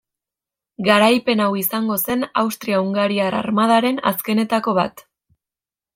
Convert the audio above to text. Garaipen hau izango zen Austria-Hungariar armadaren azkenetako bat.